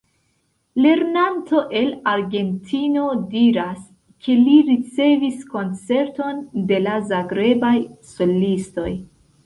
Lernanto el Argentino diras, ke li ricevis koncerton de la Zagrebaj solistoj.